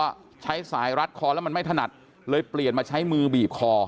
ก็ใช้สายรัดคอแล้วมันไม่ถนัดเลยเปลี่ยนมาใช้มือบีบคอ